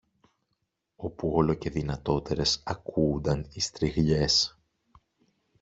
όπου όλο και δυνατότερες ακούουνταν οι στριγλιές.